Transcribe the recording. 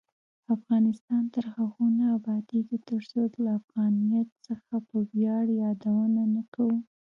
افغانستان تر هغو نه ابادیږي، ترڅو له افغانیت څخه په ویاړ یادونه نه کوو.